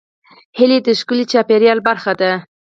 هیلۍ د ښکلي چاپېریال برخه ده